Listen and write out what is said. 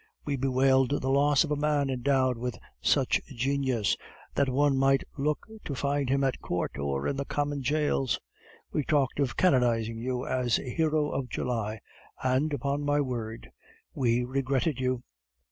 We bewailed the loss of a man endowed with such genius, that one might look to find him at Court or in the common jails. We talked of canonizing you as a hero of July, and, upon my word, we regretted you!"